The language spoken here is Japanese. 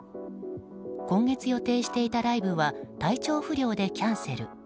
今月予定していたライブは体調不良でキャンセル。